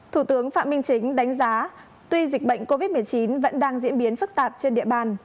thủ tướng phạm minh chính đánh giá tuy dịch bệnh covid một mươi chín vẫn đang diễn biến phức tạp trên địa bàn